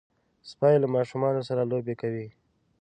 سپي له ماشومانو سره لوبې کوي.